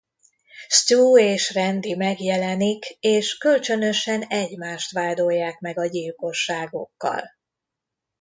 Stu és Randy megjelenik és kölcsönösen egymást vádolják meg a gyilkosságokkal.